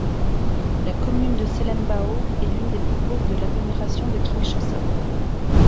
La commune de Selembao est une des plus pauvres de l'agglomération de Kinshasa.